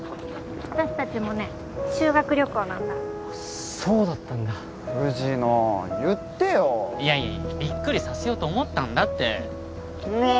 私達もね修学旅行なんだそうだったんだ藤野言ってよいやいやいやびっくりさせようと思ったんだってね